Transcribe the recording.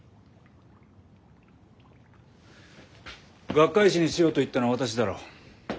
学会誌にしようと言ったのは私だろう？